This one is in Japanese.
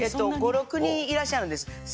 いらっしゃるんです。